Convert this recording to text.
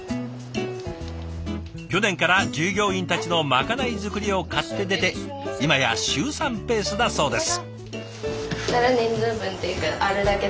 去年から従業員たちのまかない作りを買って出て今や週３ペースだそうです。